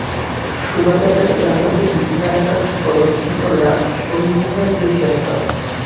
শোভাযাত্রাটি ক্যাম্পাসের বিভিন্ন এলাকা প্রদক্ষিণ করে শহীদ মিনারে গিয়ে শেষ হয়।